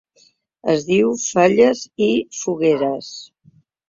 Es diu Falles i fogueres.